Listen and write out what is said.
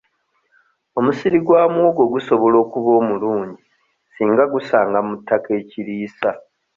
Omusiri gwa muwogo gusobola okuba omulungi singa gusanga mu ttaka ekiriisa.